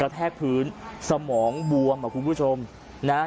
แทกพื้นสมองบวมอ่ะคุณผู้ชมนะฮะ